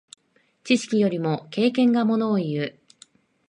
知識よりも経験がものをいう。